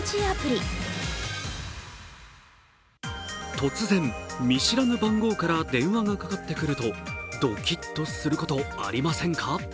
突然、見知らぬ番号から電話がかかってくるとドキッとすること、ありませんか？